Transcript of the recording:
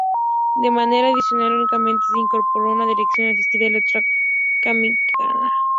De manera adicional únicamente se incorporó una dirección asistida electromecánica.